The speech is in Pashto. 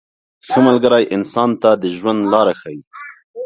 • ښه ملګری انسان ته د ژوند لاره ښیي.